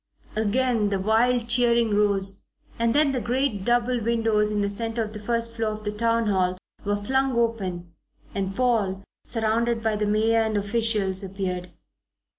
Again the wild cheering rose, and then the great double windows in the centre of the first floor of the Town Hall were flung open and Paul, surrounded by the mayor and officials, appeared.